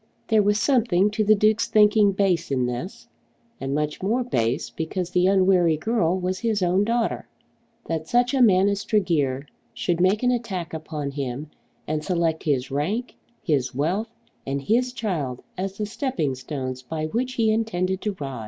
There was something to the Duke's thinking base in this, and much more base because the unwary girl was his own daughter. That such a man as Tregear should make an attack upon him and select his rank, his wealth, and his child as the stepping stones by which he intended to rise!